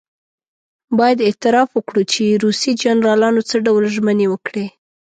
باید اعتراف وکړو چې روسي جنرالانو څه ډول ژمنې وکړې.